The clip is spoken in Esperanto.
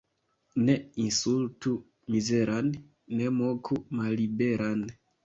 Ne insultu mizeran, ne moku malliberan.